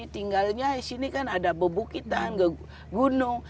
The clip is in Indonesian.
tinggalnya di sini kan ada bebukitan gunung